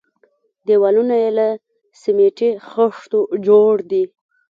دېوالونه يې له سميټي خښتو جوړ دي.